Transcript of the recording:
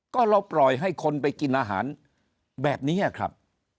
ก็เราปล่อยให้คนไปกินอาหารแบบนี้ครับ